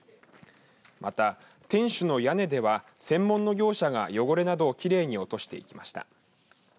また、天守の屋根では専門の業者が汚れなどをきれいに落としていきました。